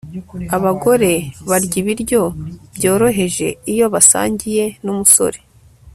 Abagore barya ibiryo byoroheje iyo basangiye numusore